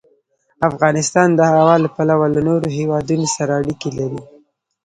افغانستان د هوا له پلوه له نورو هېوادونو سره اړیکې لري.